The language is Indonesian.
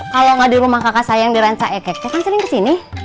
kalau enggak di rumah kakak saya yang dirancang ekek dia kan sering ke sini